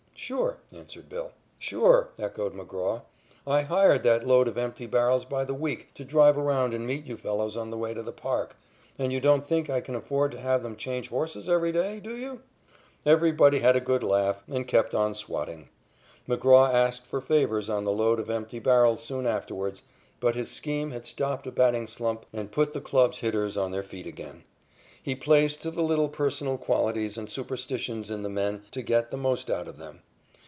"Sure," answered "Bill." "Sure," echoed McGraw. "I hired that load of empty barrels by the week to drive around and meet you fellows on the way to the park, and you don't think I can afford to have them change horses every day, do you?" Everybody had a good laugh and kept on swatting. McGraw asked for waivers on the load of empty barrels soon afterwards, but his scheme had stopped a batting slump and put the club's hitters on their feet again. He plays to the little personal qualities and superstitions in the men to get the most out of them.